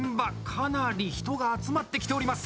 かなり人が集まってきております。